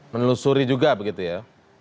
menelusuri juga begitu ya